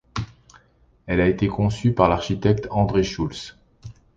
Elle a été conçue par l’architecte André Schulz.